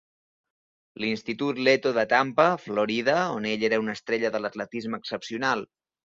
L'Institut Leto de Tampa, Florida, on ell era una estrella de l'atletisme excepcional.